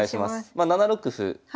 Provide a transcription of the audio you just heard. まあ７六歩。